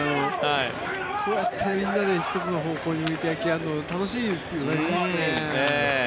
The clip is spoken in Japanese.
こうやってみんなで１つの方向に向いて野球やるの楽しくなりますよね。